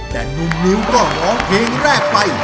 แต่นุ่มนิวก็ร้องเพลงแรกไป